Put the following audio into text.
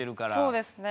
そうですね。